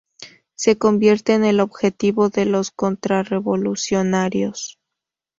Se convierte en el objetivo de los contrarrevolucionarios.